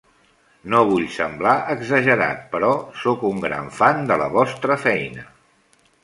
No vull semblar exagerat però sóc un gran fan de la vostra feina.